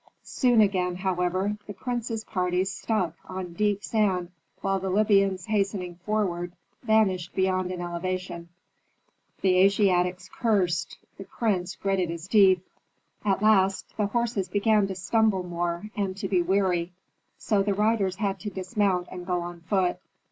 Soon again, however, the prince's party struck on deep sand while the Libyans hastening forward vanished beyond an elevation. The Asiatics cursed, the prince gritted his teeth. At last the horses began to stumble more and to be weary, so the riders had to dismount and go on foot.